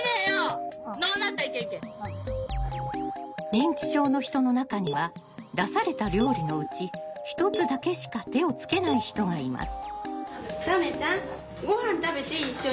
認知症の人の中には出された料理のうち一つだけしか手をつけない人がいます。